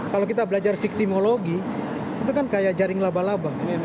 kalau kita belajar victimologi itu kan kayak jaring laba laba